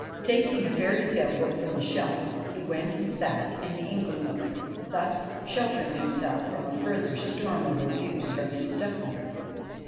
Taking a fairy tale book from the shelf he went and sat in the inglenook, thus sheltering himself from a further storm of abuse from his stepmother.